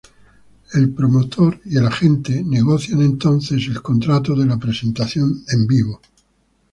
El promotor y el agente entonces negocian el contrato de la presentación en vivo.